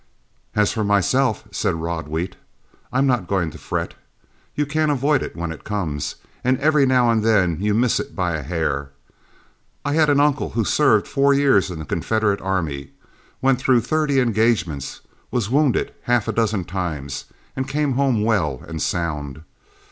"As for myself," said Rod Wheat, "I'm not going to fret. You can't avoid it when it comes, and every now and then you miss it by a hair. I had an uncle who served four years in the Confederate army, went through thirty engagements, was wounded half a dozen times, and came home well and sound.